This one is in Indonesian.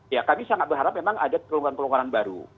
ya kami sangat berharap memang ada pelonggaran pelonggaran baru